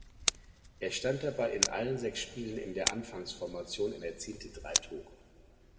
Er stand dabei in allen sechs Spielen in der Anfangsformation und erzielte drei Tore.